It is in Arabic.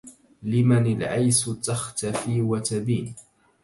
لمن العيس تختفي وتبين